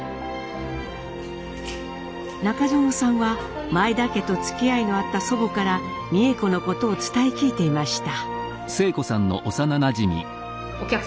中園さんは前田家とつきあいのあった祖母から美枝子のことを伝え聞いていました。